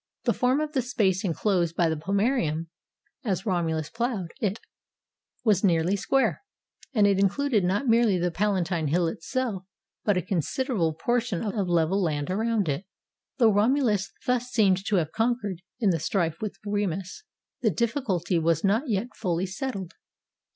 The form of the space inclosed by the pomcerium, as 259 I ROME Romulus ploughed it, was nearly square, and it in cluded not merely the Palatine hill itself, but a consid erable portion of level land around it. Though Romulus thus seemed to have conquered, in the strife with Remus, the difficulty was not yet fully settled.